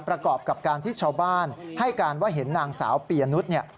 ประกอบกับการที่ชาวบ้านให้การว่าเห็นนางสาวปียนุษย์